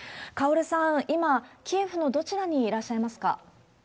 カオルさん、今、キエフのどちらにいらっしゃいますか？